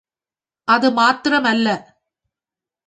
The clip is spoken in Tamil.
அது மாத்திரம் அல்ல.